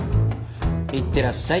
いってらっしゃい。